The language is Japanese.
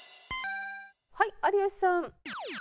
はい有吉さん。